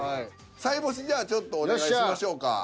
さいぼしじゃあちょっとお願いしましょうか。